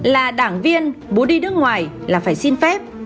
là đảng viên bố đi nước ngoài là phải xin phép